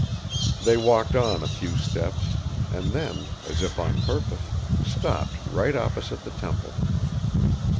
They walked on a few steps and then, as if on purpose, stopped right opposite the temple.